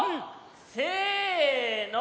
せの！